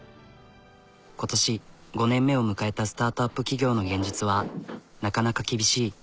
今年５年目を迎えたスタートアップ企業の現実はなかなか厳しい。